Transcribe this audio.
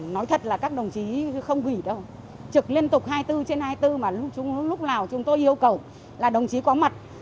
nói thật là các đồng chí không gửi đâu trực liên tục hai mươi bốn trên hai mươi bốn mà lúc nào chúng tôi yêu cầu là đồng chí có mặt